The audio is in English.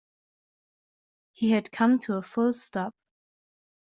He had come to a full stop